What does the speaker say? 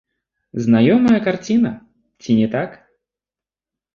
Знаёмая карціна, ці не так?